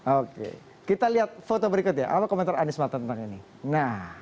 oke kita lihat foto berikutnya apa komentar anies mata tentang ini nah